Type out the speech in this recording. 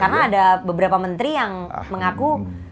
karena ada beberapa menteri yang mengaku